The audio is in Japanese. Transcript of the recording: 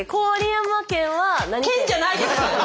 県じゃないです！